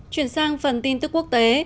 chuyển sang phần tin tức quốc tế